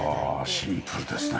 シンプルですね。